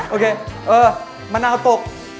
โอเคเออมะนาวตก